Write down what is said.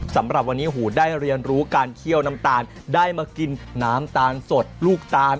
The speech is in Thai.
สำหรับวันนี้หูได้เรียนรู้การเคี่ยวน้ำตาลได้มากินน้ำตาลสดลูกตาล